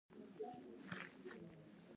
په قلم ښوونه دوام لري.